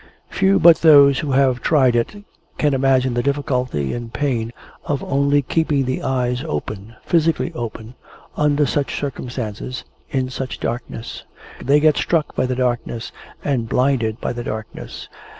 Few but those who have tried it can imagine the difficulty and pain of only keeping the eyes open physically open under such circumstances, in such darkness. They get struck by the darkness, and blinded by the darkness.